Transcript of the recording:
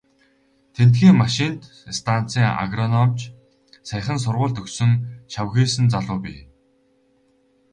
Тэндхийн машинт станцын агрономич, саяхан сургууль төгссөн шавхийсэн залуу бий.